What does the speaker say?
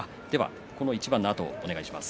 この一番のあとにお願いします。